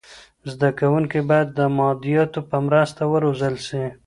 زده کونکي باید د مادیاتو په مرسته و روزل سي.